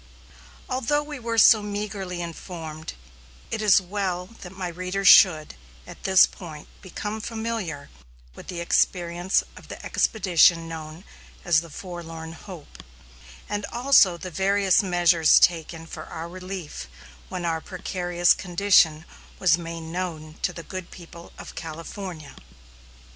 Although we were so meagrely informed, it is well that my readers should, at this point, become familiar with the experiences of the expedition known as the Forlorn Hope, and also the various measures taken for our relief when our precarious condition was made known to the good people of California.